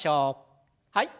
はい。